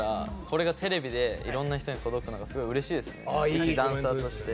一ダンサーとして。